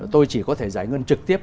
tôi chỉ có thể giải ngân trực tiếp